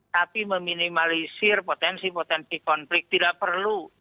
tapi meminimalisir potensi potensi konflik tidak perlu